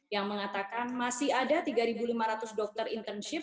yang mengatakan masih ada tiga lima ratus dokter intensif